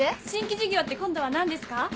新規事業って今度は何ですか？